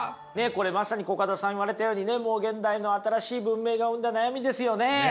これまさにコカドさん言われたようにねもう現代の新しい文明が生んだ悩みですよね。